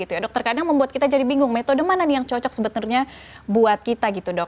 terkadang membuat kita jadi bingung metode mana yang cocok sebenarnya buat kita